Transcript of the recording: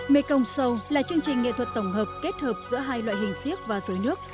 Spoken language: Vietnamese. mê công sâu là chương trình nghệ thuật tổng hợp kết hợp giữa hai loại hình siếc và dối nước